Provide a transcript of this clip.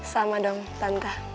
sama dong tante